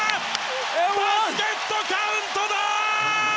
バスケットカウントだ！